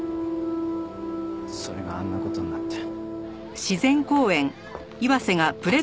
それがあんな事になって。